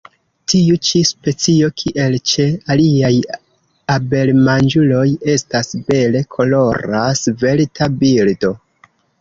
Tiu ĉi specio, kiel ĉe aliaj abelmanĝuloj, estas bele kolora, svelta birdo.